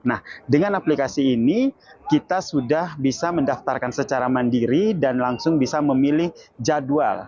nah dengan aplikasi ini kita sudah bisa mendaftarkan secara mandiri dan langsung bisa memilih jadwal untuk berkunjung ke rauda dan juga makam rasulullah